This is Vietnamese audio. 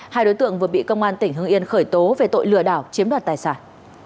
hai đối tượng vừa bị công an tỉnh hưng yên khởi tố về tội lừa đảo chiếm đoạt tài sản